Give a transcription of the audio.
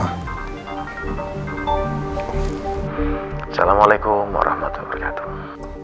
assalamualaikum warahmatullahi wabarakatuh